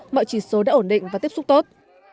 mọi chỉ số đã ổn định và tiếp xúc tốt